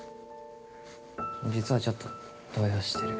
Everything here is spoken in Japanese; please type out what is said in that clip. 実は、ちょっと動揺してる。